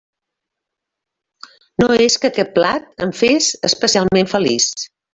No és que aquest plat em fes especialment feliç.